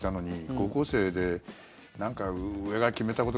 高校生で、上が決めたこと